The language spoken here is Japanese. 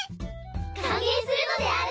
歓迎するのである！